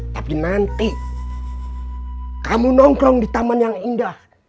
tapi nanti kamu nongkrong di taman yang indah